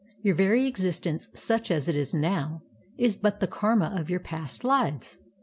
Your very existence, such as it is now, is but the karma of your past lives."